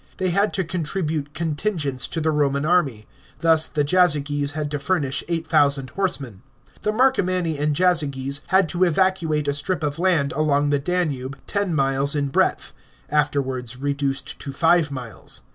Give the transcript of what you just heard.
They had to contribute contingents to the Roman army ; thus the Jazyges had to furnish 8000 horsemen. The Marcomanni and Jazyges had to evacuate a strip of land along the Danube, ten miles in breadth (afterwards reduced to five miles).